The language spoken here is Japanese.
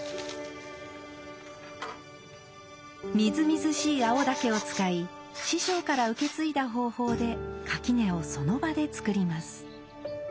みずみずしい青竹を使い師匠から受け継いだ方法で垣根をその場で作ります。